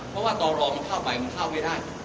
เพราะว่าต่อรอมันเข้าไปมันเข้าไม่ได้